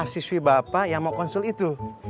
si sui bapak yang mau konsul itu